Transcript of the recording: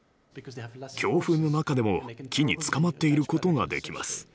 強風の中でも木につかまっていることができます。